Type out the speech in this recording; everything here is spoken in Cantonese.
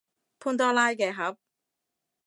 潘多拉嘅盒